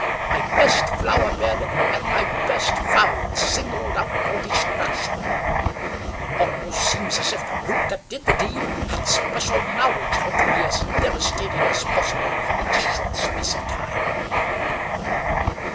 My best flower bed and my best fowls singled out for destruction; it almost seems as if the brute that did the deed had special knowledge how to be as devastating as possible in a short space of time."